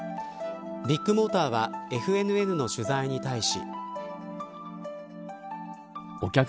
ビッグモーターはＦＮＮの取材に対し。